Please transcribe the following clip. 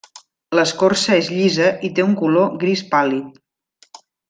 L'escorça és llisa i té un color gris pàl·lid.